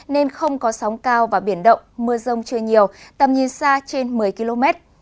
nên không có sóng cao và biển động mưa rông chưa nhiều tầm nhìn xa trên một mươi km